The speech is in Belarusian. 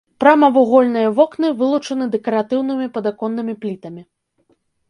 Прамавугольныя вокны вылучаны дэкаратыўнымі падаконнымі плітамі.